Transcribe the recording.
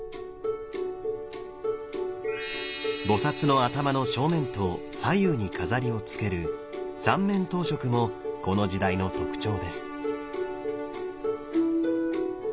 菩の頭の正面と左右に飾りをつける「三面頭飾」もこの時代の特徴です。